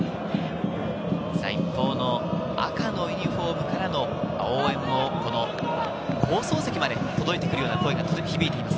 一方の赤のユニホームからの応援も放送席まで届いてくるような声が響いています。